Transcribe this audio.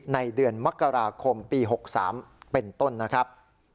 ในเดือนมกราคมปี๖๓เป็นต้นนะครับ